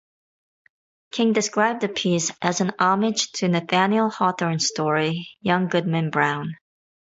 King described the piece as an homage to Nathaniel Hawthorne's story "Young Goodman Brown".